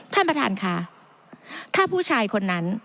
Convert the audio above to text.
ท่านประธานค่ะถ้าผู้ชายคนนั้น